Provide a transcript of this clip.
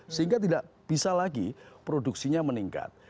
sehingga tidak bisa lagi produksinya meningkat